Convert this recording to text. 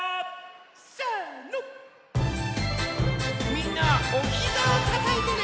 みんなはおひざをたたいてね。